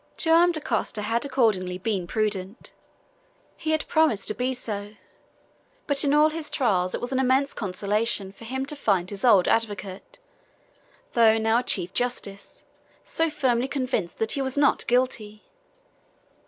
Joam Dacosta had accordingly been prudent. He had promised to be so. But in all his trials it was an immense consolation for him to find his old advocate, though now a chief justice, so firmly convinced that he was not guilty.